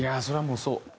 それはもうそう。